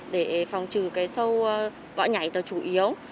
để phòng trừ cái sâu võ nhảy là chủ yếu